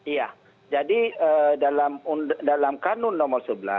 iya jadi dalam kanun nomor sebelas